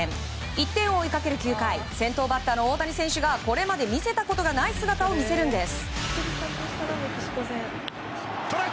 １点を追いかける９回先頭バッターの大谷選手がこれまで見せたことがない姿を見せるんです。